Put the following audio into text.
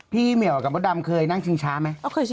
พี่เหมียวะกับบ๊ดดำมน์เคยนั่งชิงช้าไหม